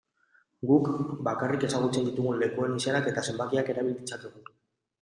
Guk bakarrik ezagutzen ditugun lekuen izenak eta zenbakiak erabil ditzakegu.